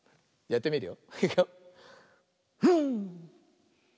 やってみるよ。